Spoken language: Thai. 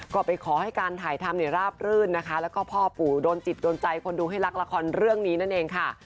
ก็ไปขอให้การถ่ายทำเนี่ยราบรื่นนะคะแล้วก็พ่อปู่โดนจิตโดนใจคนดูให้รักละครเรื่องนี้นั่นเองค่ะ